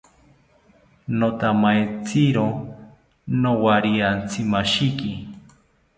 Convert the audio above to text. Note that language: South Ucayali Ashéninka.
Nothamaetziro nowariantzimashiki